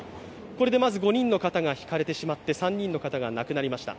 これで５人の方がひかれてしまって３人の方が亡くなりました。